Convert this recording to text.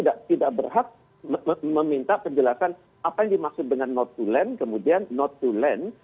dan kita tidak berhak meminta penjelasan apa yang dimaksud dengan not to land kemudian not to land